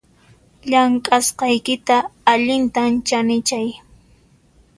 Llamk'asqaykita allintam chaninchay